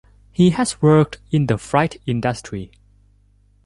He has worked in the freight industry.